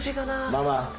ママ。